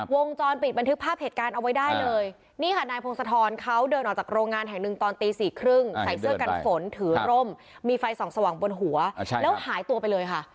วงจรปิดบันทึกภาพเหตุการณ์เอาไว้ได้เลยนี่ค่ะนายพงศธรเขาเดินออกจากโรงงานแห่งหนึ่งตอนตีสี่ครึ่งใส่เสื้อกันฝนถือร่มมีไฟส่องสว่างบนหัวแล้วหายตัวไปเลยค่ะ